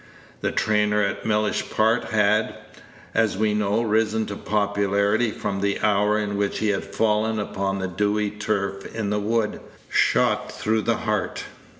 The trainer at Mellish Park had, as we know, risen to popularity from the hour in which he had fallen upon the dewy turf in the wood, shot through the heart.